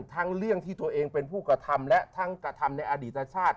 ทั้งเรื่องที่ตัวเองเป็นผู้กระทำและทั้งกระทำในอดีตชาติ